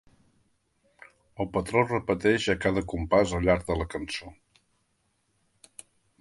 El patró es repeteix a cada compàs al llarg de la cançó.